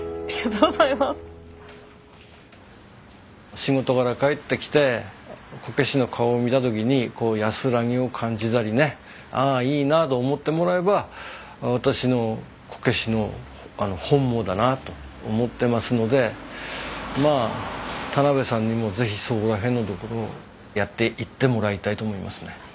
仕事から帰ってきてこけしの顔を見た時に安らぎを感じたりね「ああいいなあ」と思ってもらえば私のこけしの本望だなと思ってますのでまあ田邉さんにも是非そこら辺のところをやっていってもらいたいと思いますね。